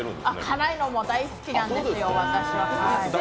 辛いのも大好きなんですよ。